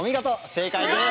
正解です。